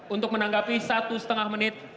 untuk menanggapi satu setengah menit